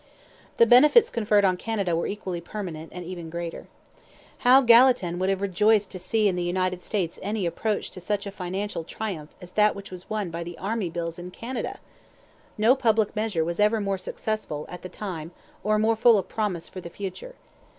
The benefits conferred on Canada were equally permanent and even greater. How Gallatin would have rejoiced to see in the United States any approach to such a financial triumph as that which was won by the Army Bills in Canada! No public measure was ever more successful at the time or more full of promise for the future.